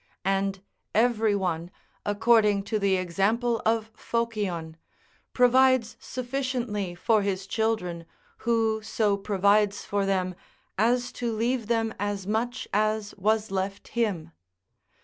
And every one, according to the example of Phocion, provides sufficiently for his children who so provides for them as to leave them as much as was left him.